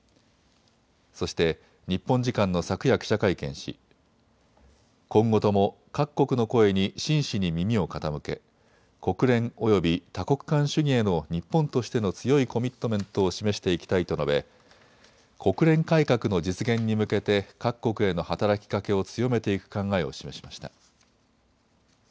そして日本時間の昨夜、記者会見し今後とも各国の声に真摯に耳を傾け国連および多国間主義への日本としての強いコミットメントを示していきたいと述べ国連改革の実現に向けて各国への働きかけを強めていく考えを示しました。